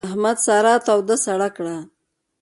احمد سارا توده سړه کړه.